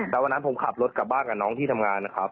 แต่วันนั้นผมขับรถกลับบ้านกับน้องที่ทำงานนะครับ